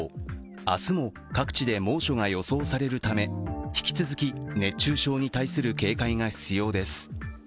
明日も各地で猛暑が予想されるため、引き続き熱中症に対する警戒が必要です。